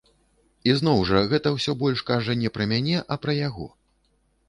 Ізноў жа, гэта ўсё больш кажа не пра мяне, а пра яго.